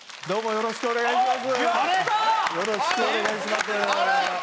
よろしくお願いします。